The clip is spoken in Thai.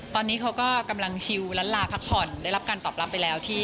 ตอนนี้เขาก็กำลังชิวและลาพักผ่อนได้รับการตอบรับไปแล้วที่